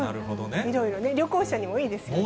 いろいろね、旅行者にもいいですよね。